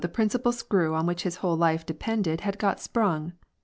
67 principal screw on which his whole life depended had got sprang.